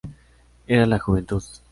Era la juventud".